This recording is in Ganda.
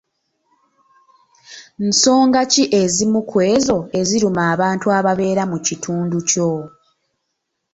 Nsonga ki ezimu ku ezo eziruma abantu ababeera mu kitundu kyo?